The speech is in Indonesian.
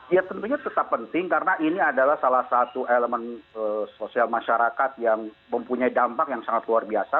ya tentunya tetap penting karena ini adalah salah satu elemen sosial masyarakat yang mempunyai dampak yang sangat luar biasa